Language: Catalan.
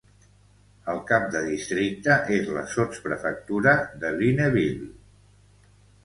El cap de districte és la sotsprefectura de Lunéville.